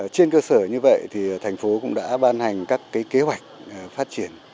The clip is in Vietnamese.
trên cơ sở như vậy thì thành phố cũng đã ban hành các kế hoạch phát triển